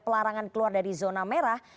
pelarangan keluar dari zona merah